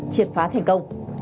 triệt phá thành công